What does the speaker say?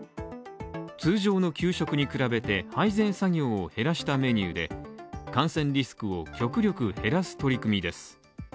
通常の給食に比べて配膳作業を減らしたメニューで感染リスクを極力減らす取り組みです